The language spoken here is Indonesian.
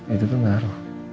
itu tuh ngaruh